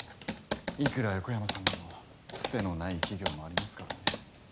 いくら横山さんでもつてのない企業もありますからね。